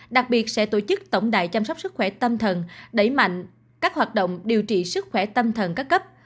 đặc biệt sẽ tổ chức tổng đài chăm sóc sức khỏe tâm thần đẩy mạnh các hoạt động điều trị sức khỏe tâm thần các cấp